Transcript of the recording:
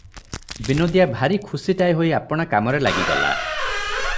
ବିନୋଦିଆ ଭାରି ଖୁସିଟାଏ ହୋଇ ଆପଣା କାମରେ ଲାଗିଗଲା ।